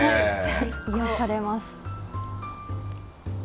癒やされます。